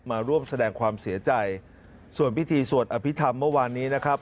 มาร่วมแสดงความเสียใจส่วนพิธีสวดอภิษฐรรมเมื่อวานนี้นะครับ